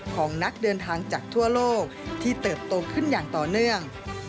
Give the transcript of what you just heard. ของนักเดินทางจากทั่วโลกที่เติบโตขึ้นอย่างต่อเนื่อง